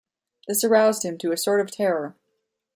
This aroused him to a sort of terror.